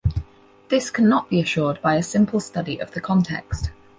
This can not be assured by a simple study of the context.